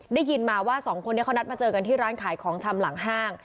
ได้ยินมาว่าสองคนนี้เขานัดมาเจอกันที่ร้านขายของชำหลังห้าง